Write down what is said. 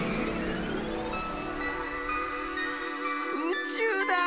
うちゅうだ。